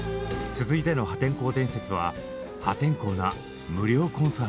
続いての破天荒伝説は「破天荒な無料コンサート」。